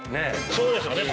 そうですよね。